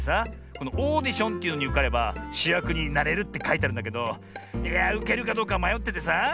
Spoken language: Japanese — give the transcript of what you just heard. このオーディションというのにうかればしゅやくになれるってかいてあるんだけどいやうけるかどうかまよっててさ。